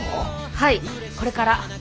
はいこれから。